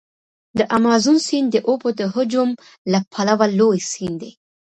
د امازون سیند د اوبو د حجم له پلوه لوی سیند دی.